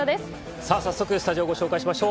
さあ早速スタジオをご紹介しましょう。